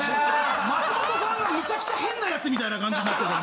松本さんがむちゃくちゃ変な奴みたいな感じになってるじゃん